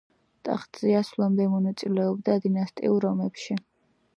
ტახტზე ასვლამდე მონაწილეობდა დინასტიურ ომებში.